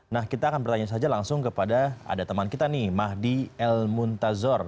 nah kita akan bertanya saja langsung kepada ada teman kita nih mahdi el muntazor